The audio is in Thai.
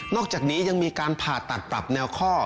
อกจากนี้ยังมีการผ่าตัดปรับแนวข้อ